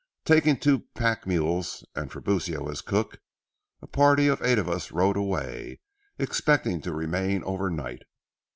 Taking two pack mules and Tiburcio as cook, a party of eight of us rode away, expecting to remain overnight.